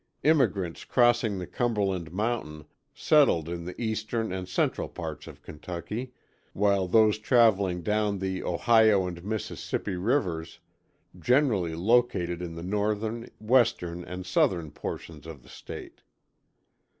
Immigrants crossing the Cumberland mountains settled in the eastern and central parts of Kentucky, while those traveling down the Ohio and Mississippi rivers, generally located in the northern, western and southern portions of the state.